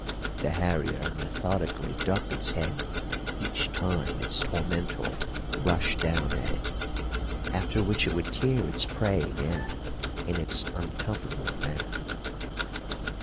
The harrier methodically ducked its head each time its tormentor rushed down at it, after which it would tear its prey again in its uncomfortable manner.